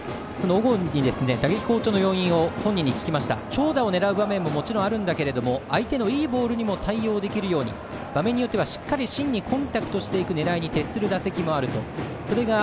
長打を狙う場面ももちろんあるんだけれども相手のいいボールにも対応できるように場面によってはしっかり芯にコンタクトしていく狙いに徹する打席もある。